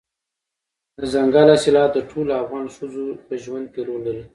دځنګل حاصلات د ټولو افغان ښځو په ژوند کې رول لري.